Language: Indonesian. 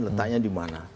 letaknya di mana